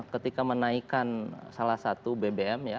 ketika menaikkan salah satu bbm ya